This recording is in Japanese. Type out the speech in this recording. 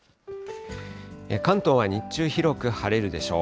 関東は日中広く晴れるでしょう。